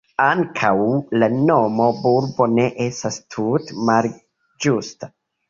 Ankaŭ la nomo bulbo ne estas tute malĝusta.